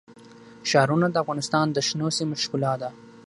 ښارونه د افغانستان د شنو سیمو ښکلا ده.